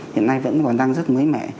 hiện nay vẫn còn đang rất mới mẻ